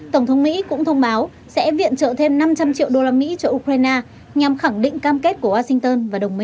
tổng thống mỹ cũng thông báo sẽ viện trợ thêm năm trăm linh triệu đô la mỹ cho ukraine nhằm khẳng định cam kết của washington và đồng minh